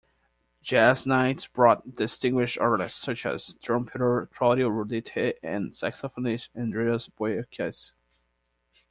Jazz Nights brought distinguished artists such as trumpeter Claudio Roditi and saxophonist Andres Boiarsky.